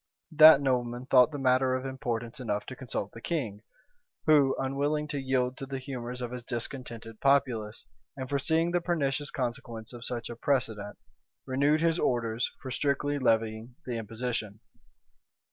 That nobleman thought the matter of importance enough to consult the king; who, unwilling to yield to the humors of a discontented populace, and foreseeing the pernicious consequence of such a precedent, renewed his orders for strictly levying the imposition.